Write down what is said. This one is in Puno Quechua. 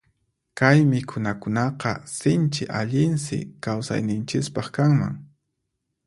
Kay mikhunakunaqa sinchi allinsi kawsayninchispaq kanman.